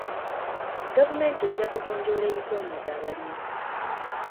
Gavumenti ejja kugonjoola ebisoomooza abalimi.